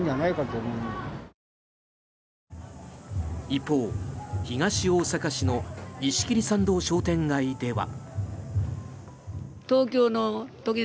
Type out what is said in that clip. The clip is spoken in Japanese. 一方、東大阪市の石切参道商店街では。